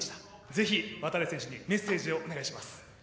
ぜひ度会選手にメッセージをお願いします。